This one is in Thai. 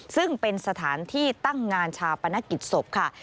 ซึ่งเป็นสถานที่ตั้งงานชาปนกิจศพค่ะ